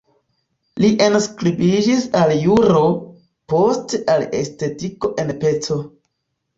Li enskribiĝis al juro, poste al estetiko en Peĉo.